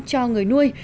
cho người nuôi